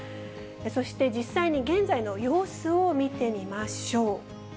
そして、実際に現在の様子を見てみましょう。